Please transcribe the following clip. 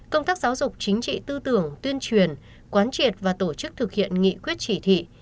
công tác giáo dục chính trị tư tưởng tuyên truyền quán triệt và tổ chức thực hiện nghị quyết chỉ thị